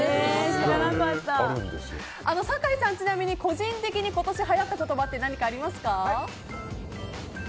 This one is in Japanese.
酒井さん、ちなみに個人的に今年はやった言葉って何かありますか？